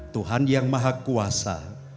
tuhan yang maha kuasa